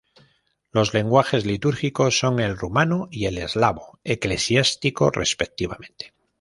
Los lenguajes litúrgicos son el rumano y el eslavo eclesiástico, respectivamente.